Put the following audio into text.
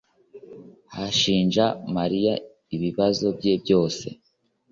ashinja Mariya ibibazo bye byose